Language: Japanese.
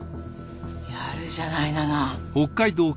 やるじゃないナナ。